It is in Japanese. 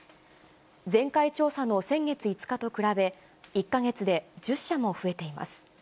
前回調査の先月５日と比べ、１か月で１０社も増えています。